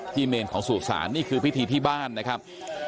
เมนของสู่ศาลนี่คือพิธีที่บ้านนะครับ